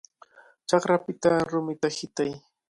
¡Chakrapita rumita hitay!